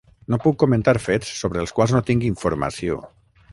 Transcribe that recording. No puc comentar fets sobre els quals no tinc informació.